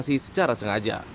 kali bekasi secara sengaja